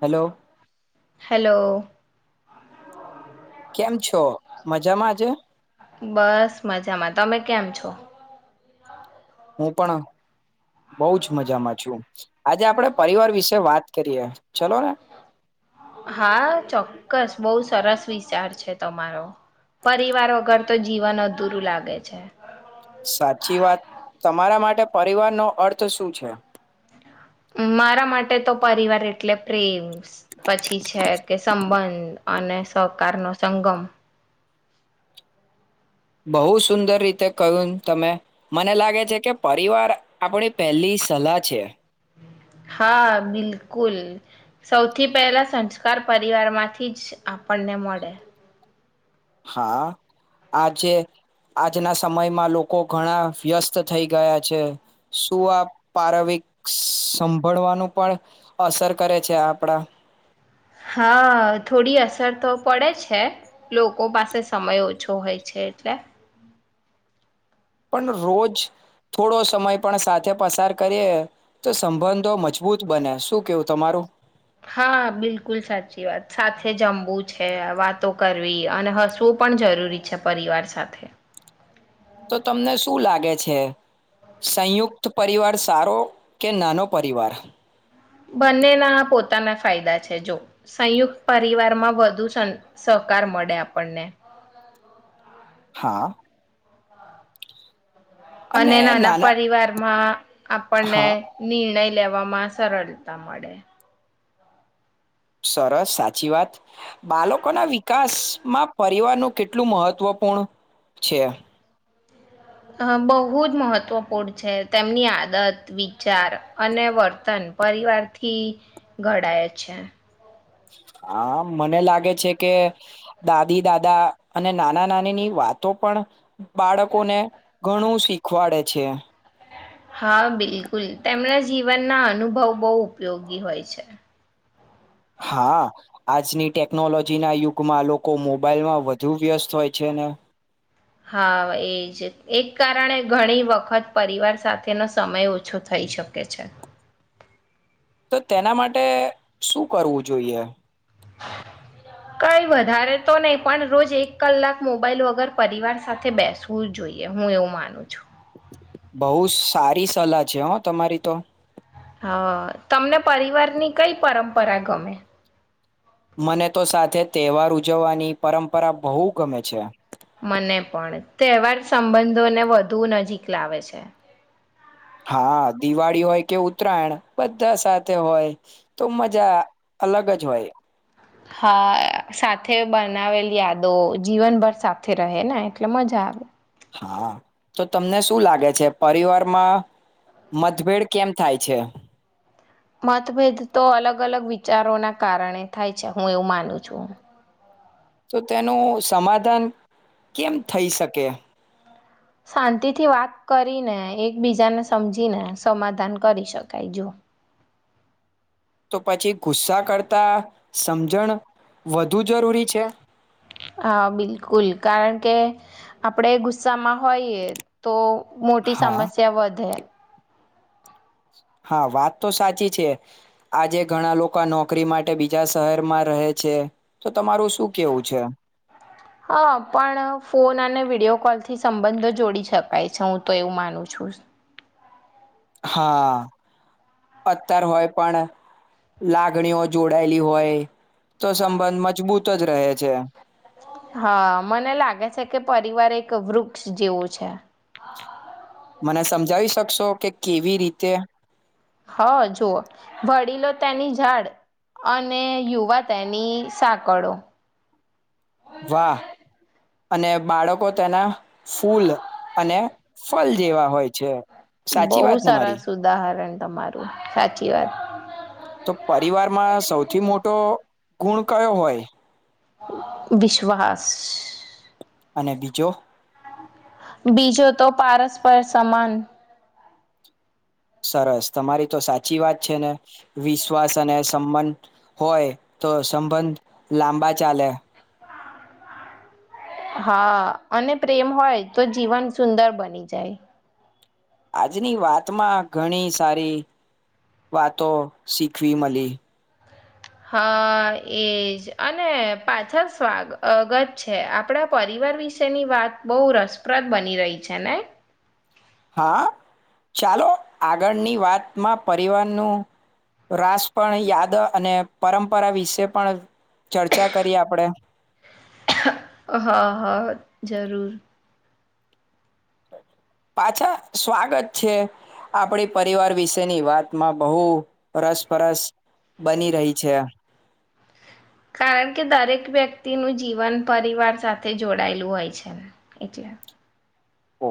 Hello. Hello. કેમ છો મજામાં આજે. બસ મજામાં તમે કેમ છો. હું પણ બહું જ મજામાં છું આજે આપડે પરિવાર વિશે વાત કરીએ ચલો ને. હા ચોક્કસ બહુ સરસ વિચાર છે તમારો પરિવાર વગર તો જીવન અધૂરું લાગે છે. સાચી વાત તમારા માટે પરિવારનો અર્થ શું છે. મારા માટે તો પરિવાર એટલે પ્રેમ પછી છે કે સંબંધ અને સહકાર નો સંગમ. બહુ સુંદર રીતે કહ્યું તમે મને લાગે છે કે પરિવાર આપણી પહેલી સલાહ છે. હા બિલકુલ સૌથી પહેલા સંસ્કાર પરિવાર માંથી જ આપણને મળે. હા આજે આજના સમયમાં લોકો ઘણા વ્યસ્ત થઈ ગયા છે શું આ પારવિક સંભળવાનું પણ અસર કરે છે આપડા હા થોડી અસર તો પડે છે લોકો પાસે સમય ઓછો હોય છે એટલે. પણ રોજ થોડો સમય પણ સાથે પસાર કરીએ તો સંબંધો મજબૂત બને શું કેવું તમારું. હા બિલકુલ સાચી વાત સાથે જમવું છે વાતો કરવી અને હસવું પણ જરૂરી છે પરિવાર સાથે. તો તમને શું લાગે છે સંયુક્ત પરિવાર સારો કે નાનો પરિવાર. બંનેના આ પોતાના ફાયદા છે જો સંયુક્ત પરિવારમાં વધુ સહકાર મળે આપણને. હા. અને નાના પરિવાર માં આપણને હા નિર્ણય લેવા વા માં સરળતા મળે. સરસ સાચી વાત બાળકોના વિકાસમાં પરિવારનું કેટલું મહત્વપૂર્ણ છે. આ બહુજ મહત્વપૂર્ણ છે તેમની આદત વિચાર અને વર્તન પરિવારથી ઘડાય છે. હા મને લાગે છે કે દાદી દાદા અને નાના નાની ની વાતો પણ બાળકોને ઘણું શીખવાડે છે. હા બિલકુલ તેમના જીવનના અનુભવ બહુ ઉપયોગી હોય છે. હા આજની ટેકનોલોજીના યુગમાં લોકો મોબાઈલમાં વધુ વ્યસ્ત હોય છે ને હા એજ એક કારણે ઘણી વખત પરિવાર સાથેનો સમય ઓછો થઈ શકે છે. તો તેના માટે શું કરવું જોઈએ. કઈ વધારે તો નહી પણ રોજ એક કલાક મોબાઈલ વગર પરિવાર સાથે બેસવું જ જોઈએ હું એવું માનું છું બહ સારી સલાહ છે હો તમારી તો હા તમને પરિવાર ની કઈ પરંપરા ગમે મને તો સાથે તહેવાર ઉજવવાની પરંપરા બહુ ગમે છે મને પણ તહેવાર સંબંધોને વધુ નજીક લાવે છે હા દિવાળી હોય કે ઉતરાયણ બધા સાથે હોય તો મજા અલગ જ હોય હા સાથે બનાવેલી યાદો જીવનભર સાથે રહે ને એટલે મજા આવે હા તો તમને શું લાગે છે પરિવારમાં મતભેડ કેમ થાય છે મતભેદ તો અલગ અલગ વિચારોના કારણે થાય છે હું એવું માનું છું તો તેનું સમાધાન કેમ થઈ શકે શાંતિથી વાત કરીને એકબીજાને સમજીને સમાધાન કરી શકાય જો તો પછી ગુસ્સા કરતા સમજણ વધુ જરૂરી છે હા બિલકુલ કારણ કે આપણેે ગુસ્સામાં હોઈએ તો મોટી હા સમસ્યા વધે હા વાત તો સાચી છે આજે ઘણા લોકો નોકરી માટે બીજા શહેરમાં રહે છે તમારું શું કેવું છે હા પણ ફોન અને વિડીયો કોલ થી સંબંધો જોડી શકાય છે હું તો એવું માનું છું હા અત્યાર હોય પણ લાગણીઓ જોડાયેલી હોય તો સંબંધ મજબૂત જ રહે છે હા મને લાગે છે કે પરિવાર એક વૃક્ષ જેવું છે મને સમજાવી શકશો કે કેવી રીતે હ જુઓ વડીલો તેની ઝાડ અને યુવા તેની સાકડો વાહ અને બાળકો તેના ફૂલ અને ફલ જેવા હોય છે સાચી બહુ વાત ને સારા મારી ઉદાહરણ છે તમારું સાચી વાત તો પરિવારમાં સૌથી મોટો ગુણ કયો હોય વિશ્વાસ અને બીજો બીજો તો પારસ્પર સમાન સરસ તમારી તો સાચી વાત છે ને વિશ્વાસ અને સંબંધ હોય તો સંબંધ લાંબા ચાલે હા અને પ્રેમ હોય તો જીવન સુંદર બની જાય આજની વાતમાં ઘણી સારી વાતો શીખવી મળી હા એજ અને પાછળ સ્વાગત છે આપણા પરિવાર વિશેની વાત બહુ રસપ્રદ બની રહી છે ને હા ચાલો આગળની વાતમાં પરિવારનું રાસ પણ યાદ અને પરંપરા વિશે પણ ચર્ચા કરીએ આપણેે હા હા જરૂર પાછા સ્વાગત છે આપડી પરિવાર વિશેની વાતમાં બહુ રસપરસ બની રહી છે કારણ કે દરેક વ્યક્તિનું જીવન પરિવાર સાથે જોડાયેલું હોય છે [unintelligible]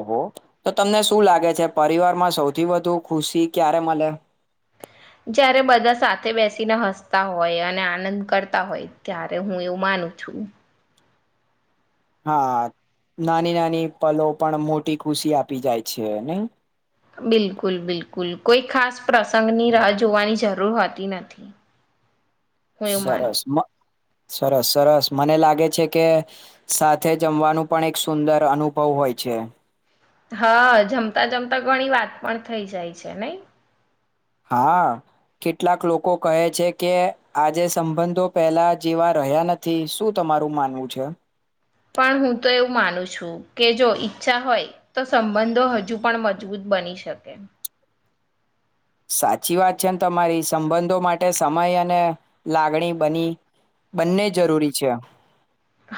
ઓહો તો તમને શું લાગે છે પરિવાર માં સૌથી વધુ ખુશી ક્યારે મલે જ્યારે બધા સાથે બેસીને હસતા હોય અને આનંદ કરતા હોય ત્યારે હું એવું માનું છું હા નાની નાની પલો પણ મોટી ખુશી આપી જાય છે ને બિલકુલ બિલકુલ કોઈ ખાસ પ્રસંગની રાહ જોવાની જરૂર હોતી નથી હું એવું માનું સરસ મ સરસ સરસ મને લાગે છે કે સાથે જમવાનું પણ એક સુંદર અનુભવ હોય છે. હા જમતા જમતા ઘણી વાત પણ થઈ જાય છે નહી હા કેટલાક લોકો કહે છે કે આજે સંબંધો પહેલા જેવા રહ્યા નથી શું તમારું માનવું છે. પણ હું તો એવું માનું છું કે જો ઈચ્છા હોય તો સંબંધો હજુ પણ મજબૂત બની શકે. સાચી વાત છેન તમારી સંબંધો માટે સમય અને લાગણી બની બંને જરૂરી છે.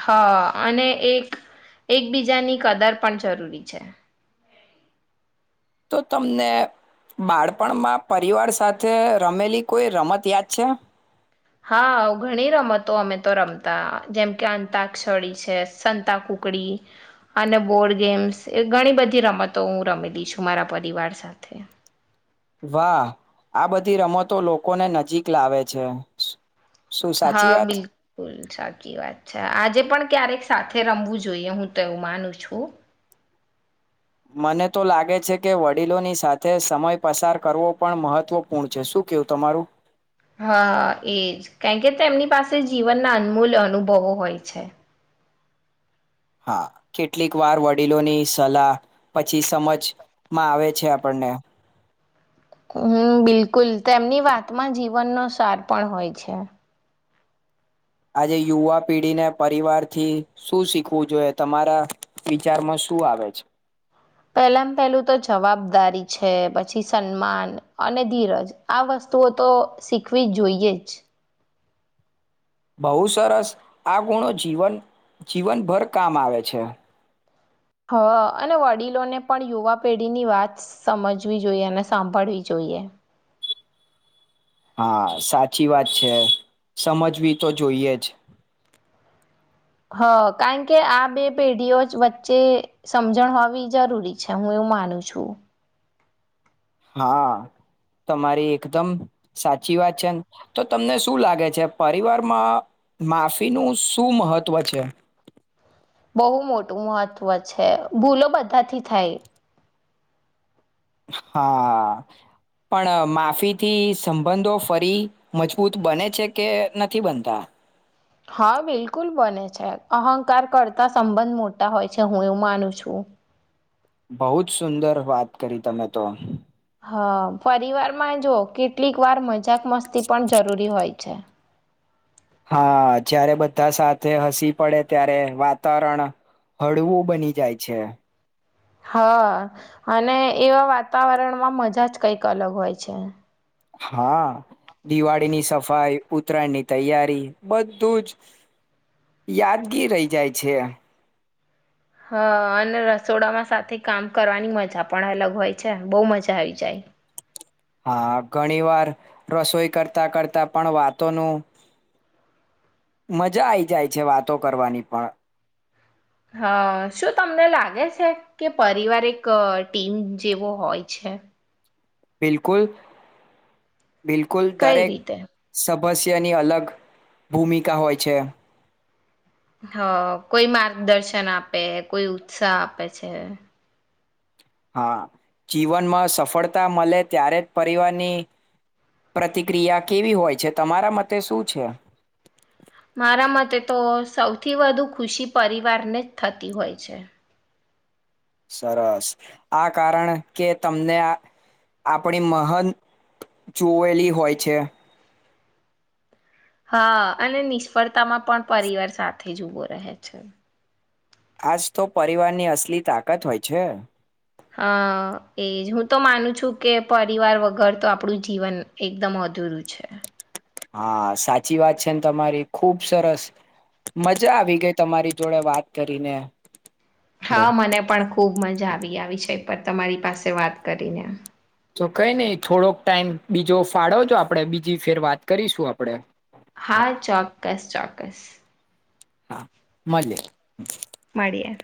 હા અને એક એકબીજાની કદર પણ જરૂરી છે. તો તમને બાળપણમાં પરિવાર સાથે રમેલી કોઈ રમત યાદ છે હા ઘણી રમતો અમે તો રમતા જેમ કે અંતાક્ષડી છે સંતા કુકડી અને બોર્ડ ગેમ્સ એ ઘણી બધી રમતો હું રમેલી છું મારા પરિવાર સાથે. વાહ આ બધી રમતો લોકોને નજીક લાવે છે. શું સાચી હા વાત બિલકુલ સાચી વાત છે આજે પણ ક્યારેક સાથે રમવું જોઈએ હું તો એવું માનું છું. મને તો લાગે છે કે વડીલોની સાથે સમય પસાર કરવો પણ મહત્વપૂર્ણ છે શું કેવું તમારું હા એજ કારણ કે તેમની પાસે જીવનના અનમૂલ અનુભવો હોય છે. હા કેટલીક વાર વડીલોની સલાહ પછી સમજમાં આવે છે આપણને હું બિલકુલ તેમની વાતમાં જીવનનો સાર પણ હોય છે આજે યુવા પેઢીને પરિવાર થી શું શીખવું જોઈએ તમારા વિચારમાં શું આવે છે. પહેલામાં પહેલું તો જવાબદારી છે પછી સન્માન અને ધીરજ આ વસ્તુઓ તો શીખવી જ જોઈએ જ બહુ સરસ આ ગુણો જીવન જીવનભર કામ આવે છે. હ અને વડીલોને પણ યુવા પેઢીની વાત સમજવી જોઈએ અને સાંભળવી જોઈએ. હા સાચી વાત છે સમજવી તો જોઈએ જ હ કારણ કે આ બે પેઢીઓ જ વચ્ચે સમજણ હોવી જરૂરી છે હું એવું માનું છું. હા તમારી એકદમ સાચી વાત છેને તો તમને શું લાગે છે પરિવારમાં માફિનું શું મહત્વ છે? બહુ મોટું મહત્વ છે ભૂલો બધાથી થાય હા પણ માફીથી સંબંધો ફરી મજબૂત બને છે કે નથી બનતા હા બિલકુલ બને છે અહંકાર કરતા સંબંધ મોટા હોય છે હું એવું માનું છું. બહુ જ સુંદર વાત કરી તમે તો હ પરિવાર માં જો કેટલીક વાર મજાક મસ્તી પણ જરૂરી હોય છે. હા જારે બધા સાથે હસી પડે ત્યારે વાતારણ હળવું બની જાય છે. હા અને એવા વાતાવરણમાં મજા જ કઈક અલગ હોય છે. હા દિવાળીની સફાઈ ઉતરાયણ ની તૈયારી બધું જ યાદગી રહી જાય છે. હા અને રસોડામાં સાથે કામ કરવાની મજા પણ અલગ હોય છે બહુ મજા આવી જાય. હા ઘણી વાર રસોઈ કરતા કરતા પણ વાતોનું મજા આઈ જાય છે વાતો કરવાની પણ. હ શું તમને લાગે છે કે પરિવાર એક ટીમ જેવો હોય છે. બિલકુલ બિલકુલ કઈ દરેક રીતે? ભસ્યની અલગ ભૂમિકા હોય છે. હ કોઈ માર્ગદર્શન આપે કોઈ ઉત્સાહ આપે છે. હા જીવનમાં સફળતા મળે ત્યારે જ પરિવારની પ્રતિક્રિયા કેવી હોય છે તમારા મતે શું છે મારા મતે તો સૌથી વધુ ખુશી પરિવારને જ થતી હોય છે. સરસ આ કારણ કે તમને આપણી મહંત જોયલી હોય છે. હા અને નિષ્ફળતામાં પણ પરિવાર સાથે જ ઉભો રહે છે. આજ તો પરિવારની અસલી તાકાત હોય છે. હા એજ હું તો માનું છું કે પરિવાર વગર તો આપણું જીવન એકદમ અધૂરું છે. હા સાચી વાત છે ને તમારી ખુબ સરસ મજા આવી ગઈ તમારી જોડે વાત કરીને આપડે હા મને પણ ખુબ મજા આવે આવી આવી છે પર તમારી પાસે વાત કરીને તો કઈ નહીિ થોડોક ટાઈમ બીજો ફાળોજો આપડે બીજી ફેર વાત કરીશું આપડે હા ચોક્કસ ચો માકસ હા મળલે મળે